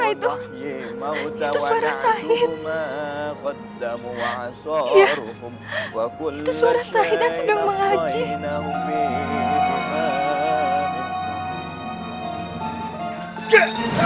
iya itu suara sahid yang sedang menghaji